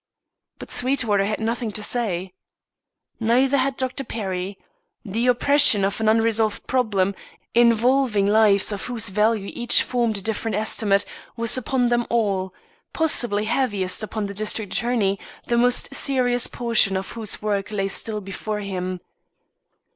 But Sweetwater had nothing to say. Neither had Dr. Perry. The oppression of an unsolved problem, involving lives of whose value each formed a different estimate, was upon them all; possibly heaviest upon the district attorney, the most serious portion of whose work lay still before him.